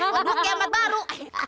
waduh kiamat baru